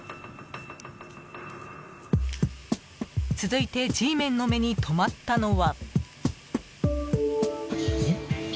続いてＧメンの目に留まったのは。